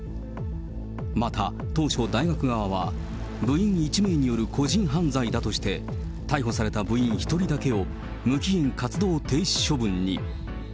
また当初、大学側は、部員１名による個人犯罪だとして、逮捕された部員１人だけを無期限活動停止処分に。